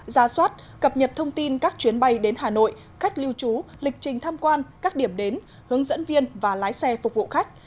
ra soát cập nhật thông tin các chuyến bay đến hà nội khách lưu trú lịch trình tham quan các điểm đến hướng dẫn viên và lái xe phục vụ khách